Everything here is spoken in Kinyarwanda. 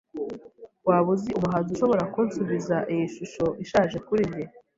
Waba uzi umuhanzi ushobora kunsubiza iyi shusho ishaje kuri njye?